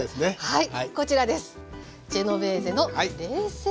はい。